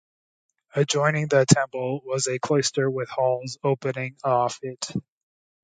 Adjoining the temple was a cloister with halls opening off it.